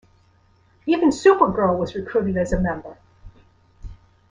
Even Supergirl was recruited as a member.